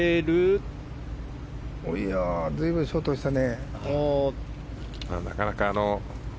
随分ショートしたね。